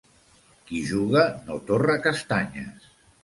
Qui juga no torra castanyes.